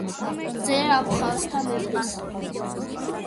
ძე აფხაზთა მეფისა.